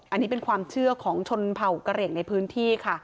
อันนี้เป็นความเชื่อของชนเผ่ากระเหลี่ยงในพื้นที่ค่ะ